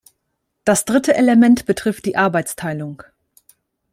Das dritte Element betrifft die Arbeitsteilung.